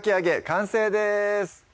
完成です